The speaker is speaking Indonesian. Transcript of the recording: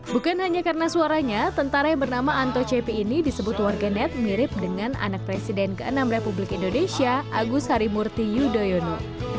bukan hanya karena suaranya tentara yang bernama anto cepi ini disebut warganet mirip dengan anak presiden ke enam republik indonesia agus harimurti yudhoyono